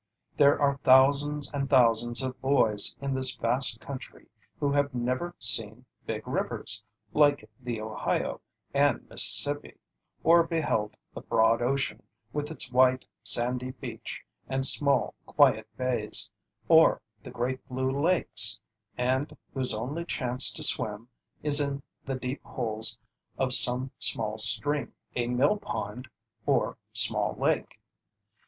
There are thousands and thousands of boys in this vast country who have never seen big rivers, like the Ohio and Mississippi, or beheld the broad ocean, with its white, sandy beach and small, quiet bays, or the great blue lakes, and whose only chance to swim is in the deep holes of some small stream, a mill pond or small lake.